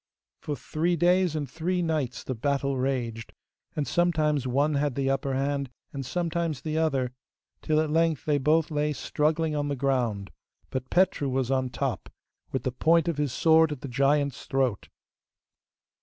For three days and three nights the battle raged, and sometimes one had the upper hand, and sometimes the other, till at length they both lay struggling on the ground, but Petru was on top, with the point of his sword at the giant's throat.